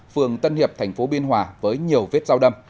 phường tân hiệp thành phố biên hòa với nhiều vết dao đâm